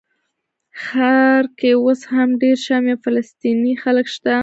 ښار کې اوس هم ډېر شامي او فلسطیني خلک شته.